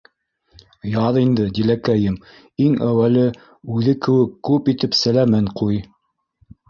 — Яҙ инде, Диләкәйем, иң әүәле үҙе кеүек күп итеп сәләмен ҡуй.